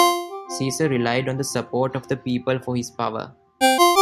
Caesar relied on the support of the people for his power.